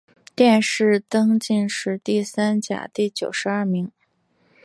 殿试登进士第三甲第九十二名。